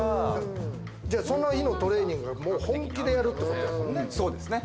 その日のトレーニングは本気でやるってことやもんね。